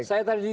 saya tadi di tv